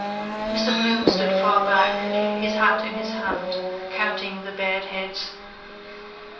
Mr Bloom stood far back, his hat in his hand, counting the bared heads.